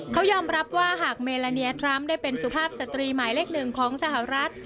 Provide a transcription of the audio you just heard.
เขายอมรับว่าหากเมลาเนียทรัมป์ได้เป็นสุภาพสตรีหมายเลขหนึ่งของสหรัฐ